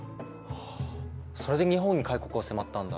はあそれで日本に開国を迫ったんだ。